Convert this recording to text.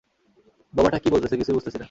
বোবাটা কী বলতেছে কিছুই বুঝতেছি না।